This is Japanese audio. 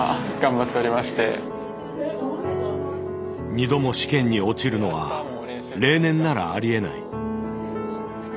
２度も試験に落ちるのは例年ならありえない。